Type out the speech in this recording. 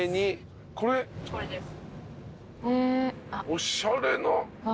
おしゃれな。